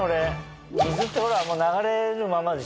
水ってほら流れるままでしょ。